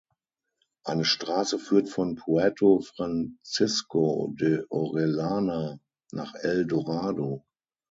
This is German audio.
Eine Straße führt von Puerto Francisco de Orellana nach El Dorado.